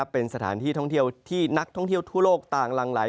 เป็นสถานที่ท่องเที่ยวที่นักท่องเที่ยวทั่วโลกต่างหลังไหล